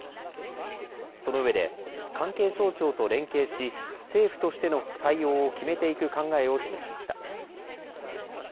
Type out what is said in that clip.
そのうえで関係省庁と連携し政府としての対応を決めていく考えを示しました。